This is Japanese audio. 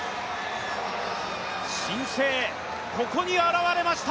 新星、ここに現れました。